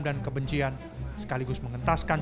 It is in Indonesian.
dan kebencian sekaligus mengentaskan